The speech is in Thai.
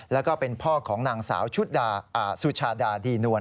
แล้วก็เป็นพ่อของนางสาวสุชาดาดีนวล